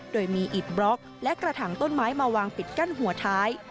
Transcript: โดยมีอิดบล็อกและกระถางต้นไม้มาวางปิดกั้นหัวท้าย